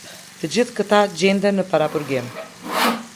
Të gjithë këta gjenden në paraburgim.